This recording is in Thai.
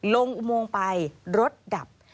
อุโมงไปรถดับ